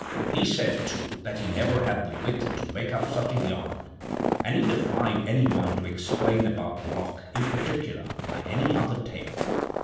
He said, too, that he never had the wit to make up such a yarn; and he defied any one to explain about the lock, in particular, by any other tale.